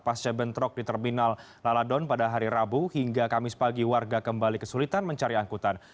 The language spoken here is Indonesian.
pasca bentrok di terminal laladon pada hari rabu hingga kamis pagi warga kembali kesulitan mencari angkutan